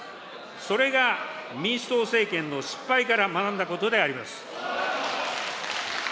それが民主党政権の失敗から学んだことであります。